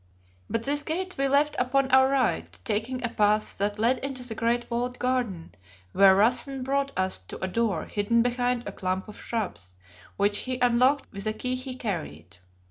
But this gate we left upon our right, taking a path that led into the great walled garden, where Rassen brought us to a door hidden behind a clump of shrubs, which he unlocked with a key he carried.